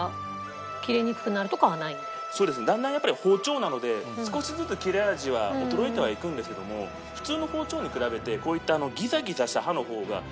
そうですねだんだんやっぱり包丁なので少しずつ切れ味は衰えてはいくんですけども普通の包丁に比べてこういったギザギザした刃の方が食い込みやすいんですよ